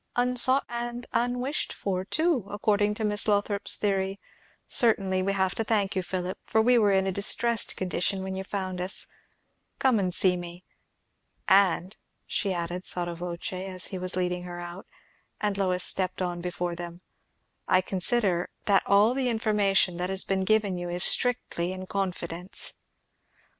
"Unsought and unwished for, too, according to Miss Lothrop's theory. Certainly we have to thank you, Philip, for we were in a distressed condition when you found us. Come and see me. And," she added sotto voce as he was leading her out, and Lois had stepped on before them, "I consider that all the information that has been given you is strictly in confidence."